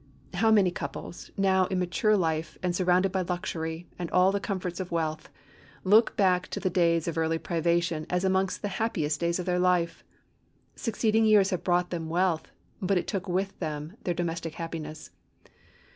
How many couples, now in mature life and surrounded by luxury and all the comforts of wealth, look back to the days of early privation as amongst the happiest days of their life! Succeeding years have brought them wealth, but it took with them their domestic happiness.